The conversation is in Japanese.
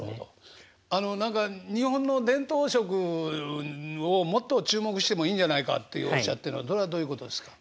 あの何か日本の伝統食をもっと注目してもいいんじゃないかっておっしゃってるのはどういうことですか？